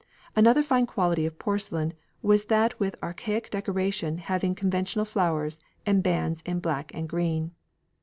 Another fine quality of porcelain was that with archaic decoration having conventional flowers and bands in black and green.